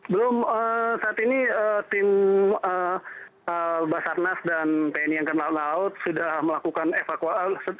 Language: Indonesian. belum saat ini tim basarnas dan tni angkatan laut sudah melakukan evakuasi